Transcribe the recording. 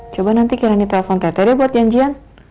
coba nanti kirain di telepon tete buat janjian